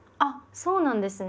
そうなんですね。